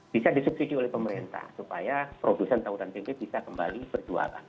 bisa disubsidi oleh pemerintah supaya produsen tautan tempe bisa kembali berjualan